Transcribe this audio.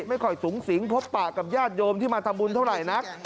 ไม่ค่อยสูงสิงพบปากกับญาติโยมที่มาทำบุญเท่าไหร่นัก